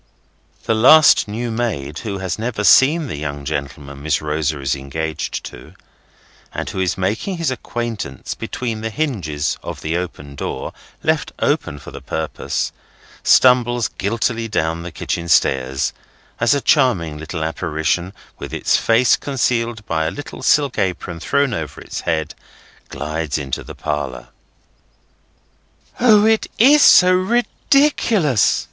The last new maid, who has never seen the young gentleman Miss Rosa is engaged to, and who is making his acquaintance between the hinges of the open door, left open for the purpose, stumbles guiltily down the kitchen stairs, as a charming little apparition, with its face concealed by a little silk apron thrown over its head, glides into the parlour. "O! it is so ridiculous!"